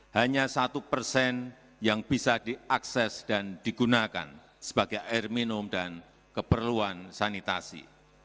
hanya satu persen yang bisa diakses dan digunakan sebagai air minum dan keperluan sanitasi